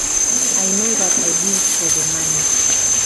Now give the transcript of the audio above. I know that I did it for the money.